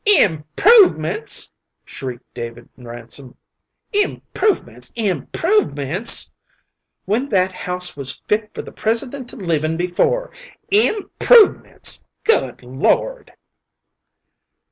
"Improvements!" shrieked David Ransom, "improvements! improvements! When that house was fit for the President to live in before. Improvements! Good Lord!"